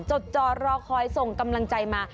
จดจอรอคอยส่งกำลังใจมา